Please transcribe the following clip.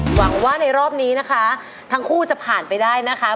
หวังว่าในรอบนี้นะคะทั้งคู่จะผ่านไปได้นะคะ